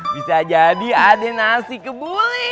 bisa jadi ada nasi kebuli